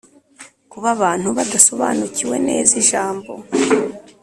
Kuba abantu badasobanukiwe neza ijambo